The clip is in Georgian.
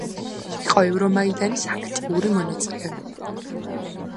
იყო ევრომაიდანის აქტიური მონაწილე.